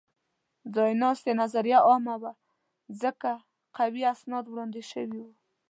ځایناستې نظریه عامه وه؛ ځکه قوي اسناد وړاندې شوي وو.